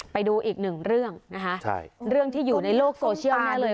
ไปดูอีกหนึ่งเรื่องนะคะเรื่องที่อยู่ในโลกโซเชียลแน่เลย